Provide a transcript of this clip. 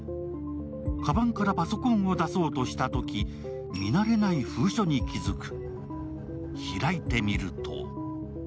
カバンからパソコンを出そうとしたとき、見慣れない封書に気付く。